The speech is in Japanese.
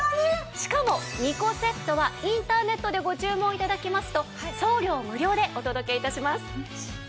しかも２個セットはインターネットでご注文頂きますと送料無料でお届け致します。